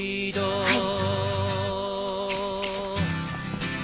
はい。